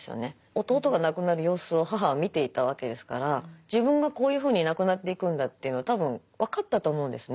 弟が亡くなる様子を母は見ていたわけですから自分がこういうふうに亡くなっていくんだっていうのは多分分かったと思うんですね。